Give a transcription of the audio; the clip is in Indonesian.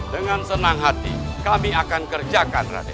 dengan senang hati kami akan kerjakan radio